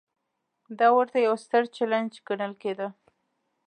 دا ورته یو ستر چلنج ګڼل کېده.